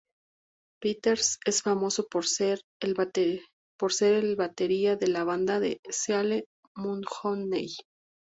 Peters es famoso por ser el batería de la banda de Seattle, Mudhoney.